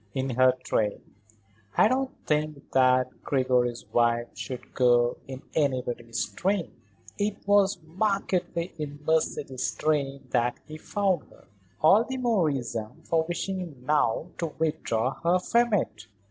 "In her train. I don't think that Gregory's wife should go in anybody's train." "It was markedly in Mercedes's train that he found her." "All the more reason for wishing now to withdraw her from it.